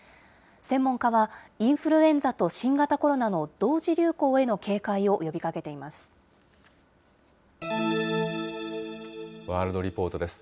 専門家は、インフルエンザと新型コロナの同時流行への警戒を呼びかけていまワールドリポートです。